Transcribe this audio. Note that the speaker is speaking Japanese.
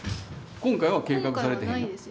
今回は計画されてへん。